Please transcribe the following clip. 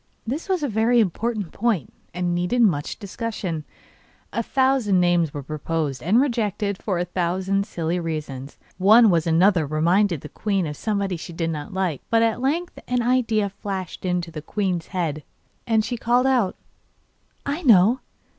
This was a very important point, and needed much discussion. A thousand names were proposed and rejected for a thousand silly reasons. One was too long, and one was too short. One was too harsh, and another reminded the queen of somebody she did not like; but at length an idea flashed into the queen's head, and she called out: 'I know!